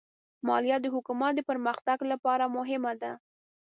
مالیه د حکومت د پرمختګ لپاره مهمه ده.